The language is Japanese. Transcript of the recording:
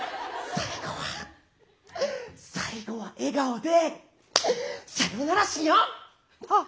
最後は最後は笑顔でさよならしよう！